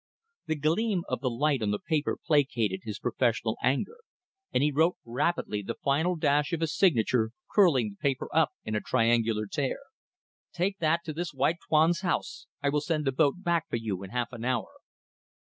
The gleam of the light on the paper placated his professional anger, and he wrote rapidly, the final dash of his signature curling the paper up in a triangular tear. "Take that to this white Tuan's house. I will send the boat back for you in half an hour."